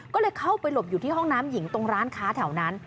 ก็เลยเข้าไปหลบอยู่ที่ห้องน้ำหญิงตรงร้านค้าแถวนั้น